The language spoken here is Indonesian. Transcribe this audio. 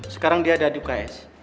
sekarang dia ada di uks